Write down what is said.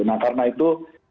nah karena itu